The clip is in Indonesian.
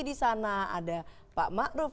di sana ada pak ma'ruf